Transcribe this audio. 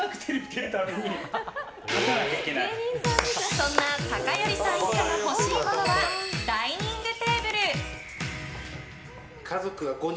そんな酒寄さん一家の欲しいものはダイニングテーブル。